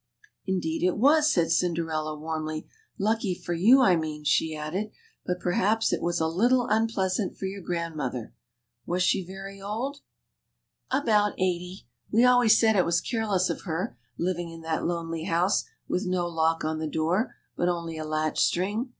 „. CINDERELLA UP TO DATE. 19 Indeed it was/' said Cinderella warmly ;" lucky for you, I mean," she added ;" but perhaps it was a little unpleasant for your grandmother. Was she very old?" 20 THE CHILDREN'S WONDER BOOK. ''About eighty. We always said it was careless of her, living in that lonely house, with no lock on the door, but only a latch string.